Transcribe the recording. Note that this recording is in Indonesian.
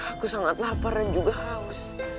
aku sangat lapar dan juga haus